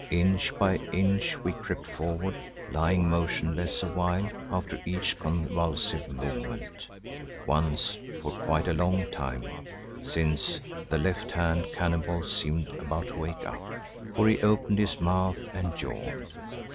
Inch by inch we crept forward, lying motionless a while after each convulsive movement, once for quite a long time, since the left hand cannibal seemed about to wake up, for he opened his mouth and yawned.